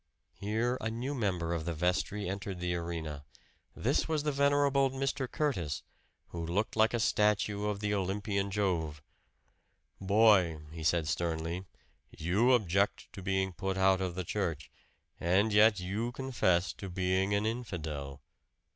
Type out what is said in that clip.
Here a new member of the vestry entered the arena. This was the venerable Mr. Curtis, who looked like a statue of the Olympian Jove. "Boy," he said sternly, "you object to being put out of the church and yet you confess to being an infidel."